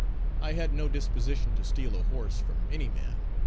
I had no disposition to steal a horse from any man.